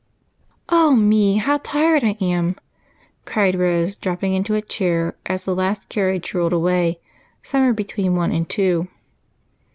"Oh, me, how tired I am!" cried Rose, dropping into a chair as the last carriage rolled away somewhere between one and two.